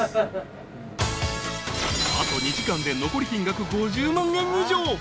［あと２時間で残り金額５０万円以上］